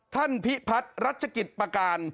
พิพัฒน์รัชกิจประการ